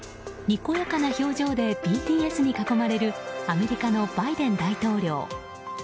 にこやかな表情でＢＴＳに囲まれるアメリカのバイデン大統領。